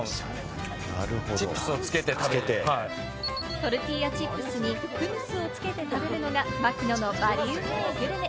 トルティーヤチップスにフムスをつけて食べるのが槙野のバリうめぇグルメ。